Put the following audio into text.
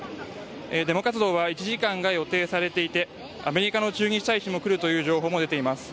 デモ活動は１時間が予定されていてアメリカの駐日大使も来るという情報も出ています。